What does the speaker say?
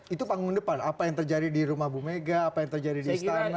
itu panggung depan apa yang terjadi di rumah bu mega apa yang terjadi di istana